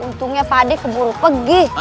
ampun ampun ampun